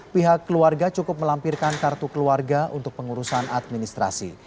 pihak keluarga cukup melampirkan kartu keluarga untuk pengurusan administrasi